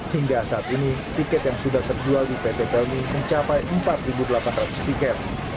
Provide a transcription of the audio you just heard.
hingga saat ini tiket yang sudah terjual di pt pelni mencapai empat delapan ratus tiket